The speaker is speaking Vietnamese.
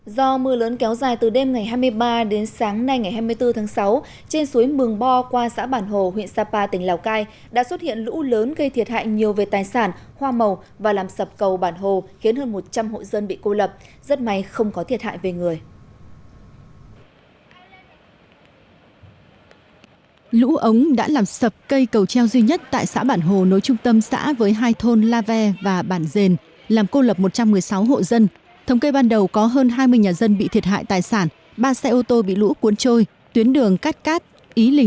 do mưa lớn kéo dài từ đêm ngày hai mươi ba đến sáng nay ngày hai mươi bốn tháng sáu trên suối mường bo qua xã bản hồ huyện sapa tỉnh lào cai đã xuất hiện lũ lớn gây thiệt hại nhiều về tài sản hoa màu và làm sập cầu bản hồ khiến hơn một trăm linh hội dân bị cô lập rất may không có thiệt hại về người